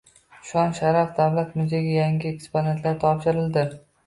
“Shon-sharaf” davlat muzeyiga yangi eksponatlar topshirildi